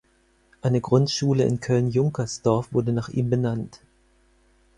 Eine Grundschule in Köln-Junkersdorf wurde nach ihm benannt.